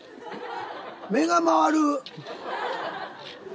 目が回る。